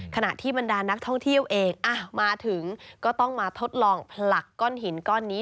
ขณะที่บรรดานักท่องเที่ยวเองมาถึงก็ต้องมาทดลองผลักก้อนหินก้อนนี้